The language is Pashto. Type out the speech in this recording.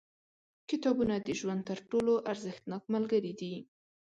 • کتابونه د ژوند تر ټولو ارزښتناک ملګري دي.